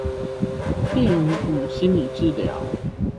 電影與心理治療